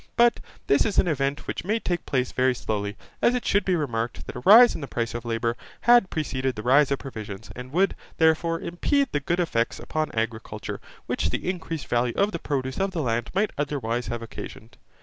But this is an event which may take place very slowly, as it should be remarked that a rise in the price of labour had preceded the rise of provisions, and would, therefore, impede the good effects upon agriculture, which the increased value of the produce of the land might otherwise have occasioned.